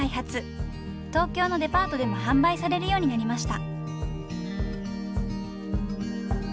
東京のデパートでも販売されるようになりました。